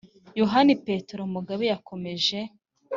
yohani petero mugabe yakomeje.